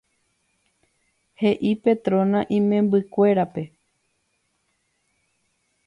He'i Petrona imembykuérape.